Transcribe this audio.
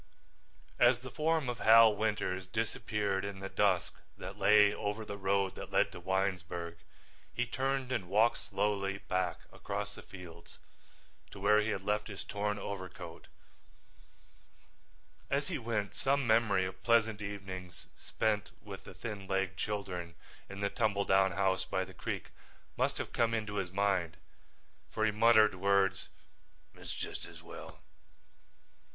As the form of Hal Winters disappeared in the dusk that lay over the road that led to Winesburg, he turned and walked slowly back across the fields to where he had left his torn overcoat. As he went some memory of pleasant evenings spent with the thin legged children in the tumble down house by the creek must have come into his mind, for he muttered words. "It's just as well.